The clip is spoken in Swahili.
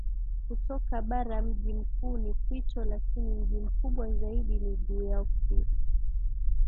kutoka baraMji mkuu ni Quito lakini mji mkubwa zaidi ni Guayaquil